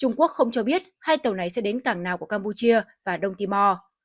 trung quốc không cho biết hai tàu này sẽ đến cảng nào của campuchia và đông timor